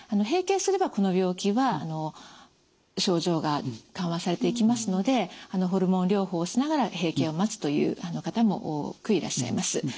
閉経すればこの病気は症状が緩和されていきますのでホルモン療法をしながら閉経を待つという方も多くいらっしゃいます。